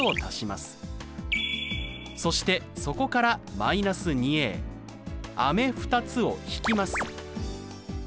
そしてそこから−２飴２つを引きます。